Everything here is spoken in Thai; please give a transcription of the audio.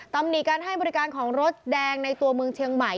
ตำหนิการให้บริการของรถแดงในตัวเมืองเชียงใหม่